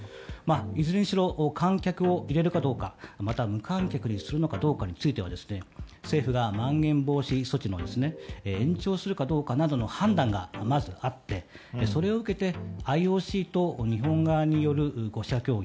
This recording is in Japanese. いずれにしろ観客を入れるかどうかまた、無観客にするのかどうかについては政府がまん延防止措置を延長するかどうかの判断がまずあって、それを受けてＩＯＣと日本側による５者協議。